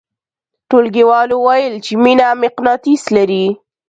ټولګیوالو ویل چې مینه مقناطیس لري